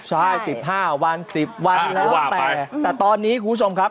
ใช่๑๕วัน๑๐วันแล้วแต่แต่ตอนนี้คุณผู้ชมครับ